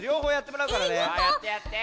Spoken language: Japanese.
やってやって！